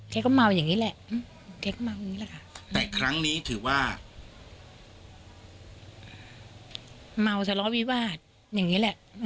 เค้ก็เมาแบบนี้แหละแกก็เมาแบบนี้แหละ